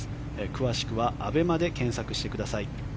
詳しくは「アベマ」で検索をしてください。